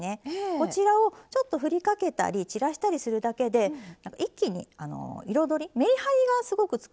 こちらをちょっとふりかけたり散らしたりするだけで一気に彩りめりはりがすごくつくんです。